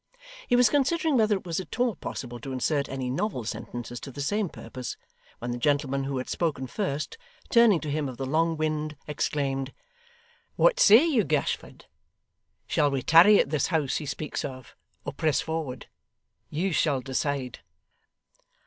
He was considering whether it was at all possible to insert any novel sentences to the same purpose, when the gentleman who had spoken first, turning to him of the long wind, exclaimed, 'What say you, Gashford? Shall we tarry at this house he speaks of, or press forward? You shall decide.